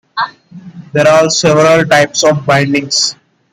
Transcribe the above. There are several types of bindings.